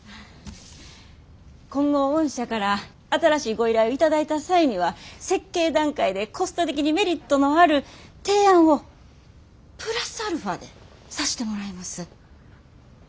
今後御社から新しいご依頼を頂いた際には設計段階でコスト的にメリットのある提案をプラスアルファでさしてもらいます。